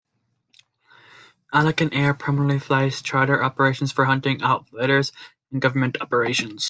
Alkan Air primarily flies charter operations for hunting outfitters and government operations.